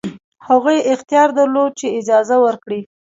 هغوی اختیار درلود چې اجازه ورکړي.